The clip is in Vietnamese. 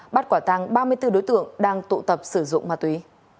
bắt quả tăng ba mươi bốn đối tượng đang tụ tập sử dụng ma túy